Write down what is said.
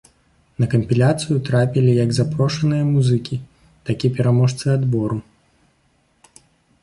На кампіляцыю трапілі як запрошаныя музыкі, так і пераможцы адбору.